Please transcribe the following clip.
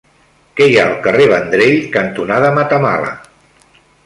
Què hi ha al carrer Vendrell cantonada Matamala?